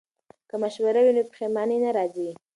که مشوره وي نو پښیماني نه راځي.